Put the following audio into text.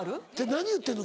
何言ってんの？